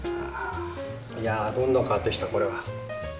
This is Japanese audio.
いやどんどん変わってきたこれは。